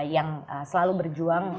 yang selalu berjuang